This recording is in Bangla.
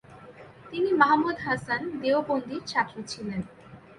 তিনি মাহমুদ হাসান দেওবন্দির ছাত্র ছিলেন।